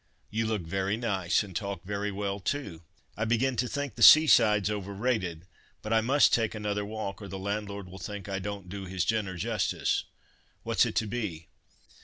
"You look very nice, and talk very well too. I begin to think the seaside's overrated; but I must take another walk, or the landlord will think I don't do his dinner justice. What's it to be?"